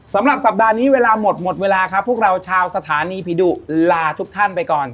สำหรับสัปดาห์นี้เวลาหมดหมดเวลาครับพวกเราชาวสถานีผีดุลาทุกท่านไปก่อน